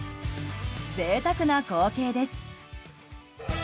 贅沢な光景です。